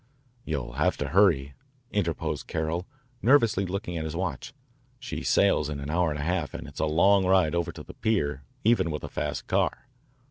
"You'll have to hurry," interposed Carroll, nervously looking at his watch. "She sails in an hour and a half and it is a long ride over to the pier even with a fast car."